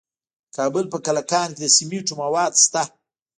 د کابل په کلکان کې د سمنټو مواد شته.